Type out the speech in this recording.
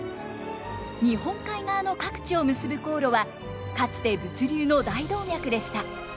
日本海側の各地を結ぶ航路はかつて物流の大動脈でした。